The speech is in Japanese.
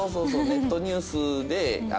ネットニュースで結構。